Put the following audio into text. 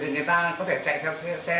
thì người ta có thể chạy theo xe